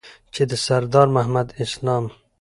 چې د سردار محمد اسلام